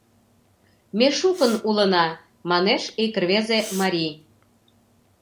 Ме шукын улына! — манеш ик рвезе марий.